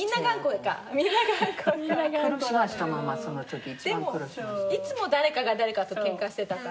でもいつも誰かが誰かとケンカしてたから。